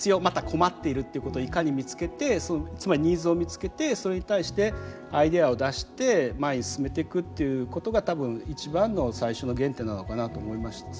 また困っているってことをいかに見つけてつまりニーズを見つけてそれに対してアイデアを出して前に進めていくっていうことが多分一番の最初の原点なのかなと思います。